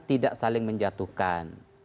tidak saling menjatuhkan